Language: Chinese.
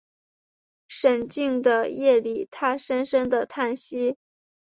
沈静的夜里他深深的叹息